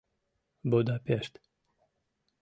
Будапешт